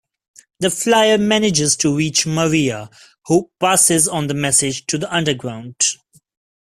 The flier manages to reach Maria, who passes on the message to the underground.